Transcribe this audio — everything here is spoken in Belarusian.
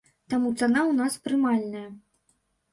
Таму цана ў нас прымальная.